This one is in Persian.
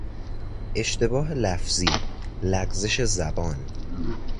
اشتباه لفظی، لغزش زبان